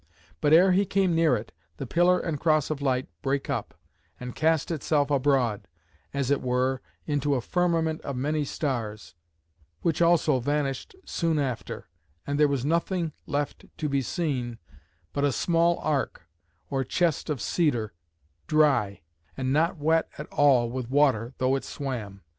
But ere he came near it, the pillar and cross of light brake up, and cast itself abroad, as it were, into a firmament of many stars; which also vanished soon after, and there was nothing left to be seen, but a small ark, or chest of cedar, dry, and not wet at all with water, though it swam.